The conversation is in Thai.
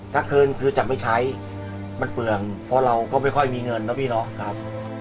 ถ้าคืนคือจะไม่ใช้มันเปลืองเพราะเราก็ไม่ค่อยมีเงินนะพี่น้องครับ